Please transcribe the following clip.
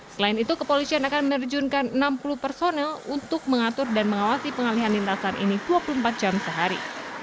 selain itu kepolisian akan menerjunkan enam puluh personel untuk mengatur dan mengawasi pengalihan lintasan ini dua puluh empat jam sehari